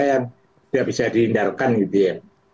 yang tidak bisa dihindarkan gitu ya